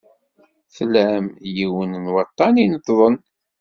Tlam yiwen n waḍḍan ineṭṭḍen.